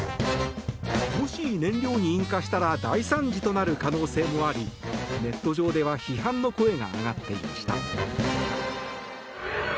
もし燃料に引火したら大惨事となる可能性もありネット上では批判の声が上がっていました。